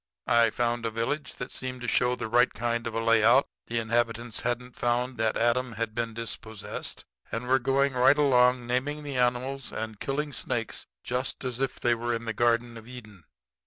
"I found a village that seemed to show the right kind of a layout. The inhabitants hadn't found that Adam had been dispossessed, and were going right along naming the animals and killing snakes just as if they were in the Garden of Eden.